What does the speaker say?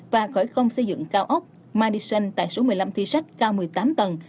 và khởi công xây dựng cao ốc madicent tại số một mươi năm thi sách cao một mươi tám tầng